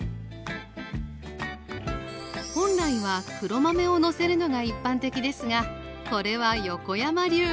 本来は黒豆をのせるのが一般的ですがこれは横山流。